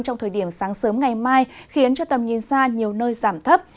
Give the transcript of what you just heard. trong thời điểm sáng sớm ngày mai khiến cho tầm nhìn xa nhiều nơi giảm thấp